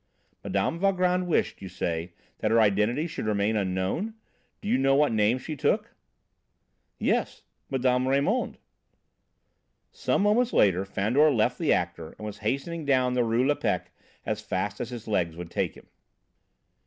"Mme. Valgrand wished, you say, that her identity should remain unknown? Do you know what name she took?" "Yes Mme. Raymond." Some moments later Fandor left the actor and was hastening down the Rue Lepic as fast as his legs would take him.